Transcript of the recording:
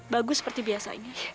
bagus seperti biasanya